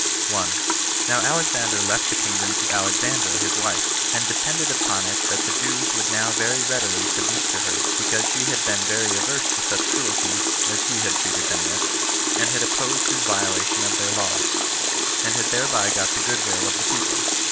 1. Now Alexander left the kingdom to Alexandra his wife, and depended upon it that the Jews would now very readily submit to her, because she had been very averse to such cruelty as he had treated them with, and had opposed his violation of their laws, and had thereby got the good will of the people.